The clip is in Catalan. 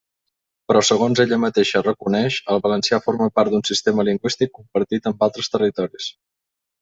Però segons ella mateixa reconeix, el valencià forma part d'un sistema lingüístic compartit amb altres territoris.